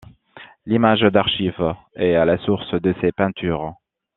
L’image d’archive est à la source de ses peintures.